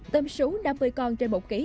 tâm số năm mươi con trên một ký